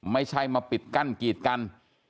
ไม่ใช่มาปิดกั้นกีดกัน